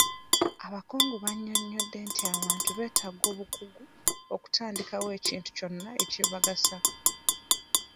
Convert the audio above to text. Abakungu banyonyodde nti abantu beetaaga obukugu okutandikawo ekintu kyonna ekibagasa.